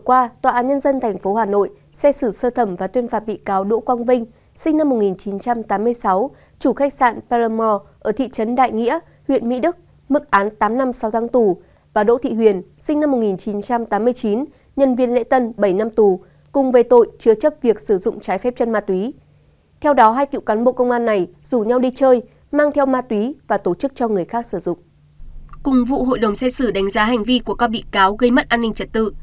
cùng vụ hội đồng xét xử đánh giá hành vi của các bị cáo gây mất an ninh trật tự